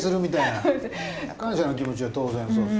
感謝の気持ちは当然そうですよね。